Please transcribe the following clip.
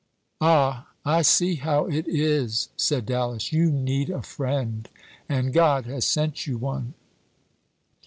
"Ah, I see how it is," said Dallas; "you need a friend, and God has sent you one."